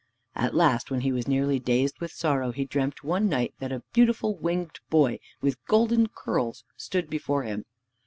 At last, when he was nearly dazed with sorrow, he dreamt one night that a beautiful winged boy with golden curls stood before him.